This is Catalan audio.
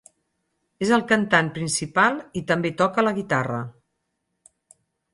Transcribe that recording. És el cantant principal i també toca la guitarra.